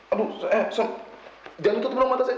aduh eh son jangan tutup dong mata saya